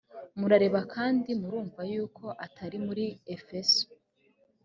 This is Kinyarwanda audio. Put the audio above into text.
murareba kandi murumva yuko atari muri efeso